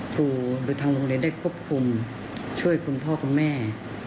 ครูหรือทางโรงเรียนได้ควบคุมช่วยคุณพ่อคุณแม่